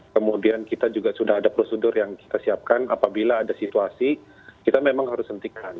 kemudian kita juga sudah ada prosedur yang kita siapkan apabila ada situasi kita memang harus hentikan